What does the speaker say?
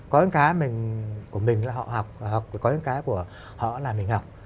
có những cái của mình là họ học và có những cái của họ là mình học